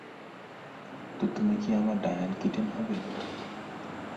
তো তুমি কি আমার ডায়ান কিটেন হবে?